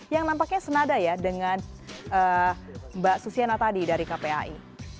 yang nampaknya senada ya dengan mbak susiana tadi dari kpai